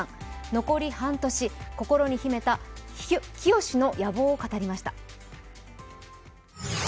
残り半年、心に秘めたきよしの野望を語りました。